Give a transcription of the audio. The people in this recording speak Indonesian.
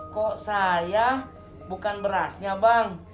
kok saya bukan berasnya bang